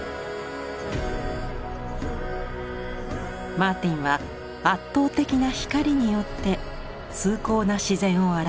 マーティンは圧倒的な光によって「崇高な自然」を表しました。